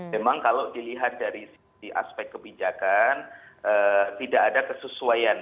memang kalau dilihat dari aspek kebijakan tidak ada kesesuaian